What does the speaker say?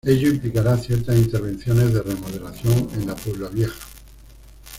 Ello implicará ciertas intervenciones de remodelación en la Puebla Vieja.